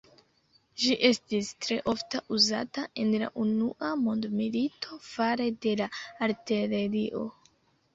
Ĝi estis tre ofta uzata en la unua mondmilito fare de la artilerio.